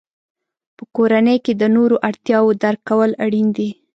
په کورنۍ کې د نورو اړتیاوو درک کول اړین دي.